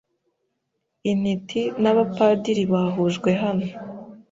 Intiti n'abapadiri bahujwe hano